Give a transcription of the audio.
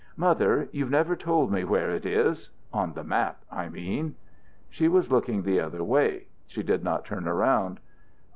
"Mother, you've never told me where it is on the map, I mean." She was looking the other way. She did not turn around.